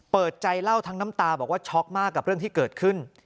เปิดใจเล่าทั้งน้ำตาบอกว่าช็อกมากกับเรื่องที่เกิดขึ้น